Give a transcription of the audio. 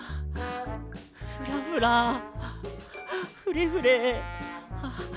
「フラフラ」「フレフレ」。